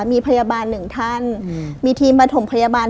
มีพยาบาลหนึ่งท่านมีทีมประถมพยาบาล